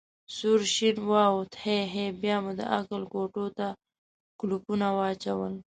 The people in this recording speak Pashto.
سور شین واوښت: هی هی، بیا مو د عقل کوټو ته کولپونه واچول.